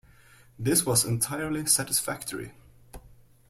This was entirely satisfactory.